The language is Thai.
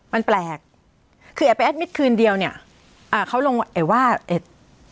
มันแปลกคือแอบไปแอดมิตคืนเดียวเนี้ยอ่าเขาลงไอ้ว่าเอ็ด